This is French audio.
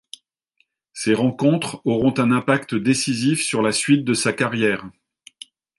Ces rencontres auront un impact décisif sur la suite de sa carrière.